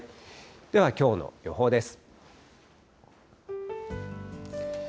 ではきょうの予報です。